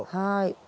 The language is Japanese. はい。